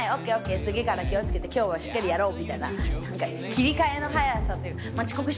次から気を付けて今日はしっかりやろう」みたいな切り替えの早さというか。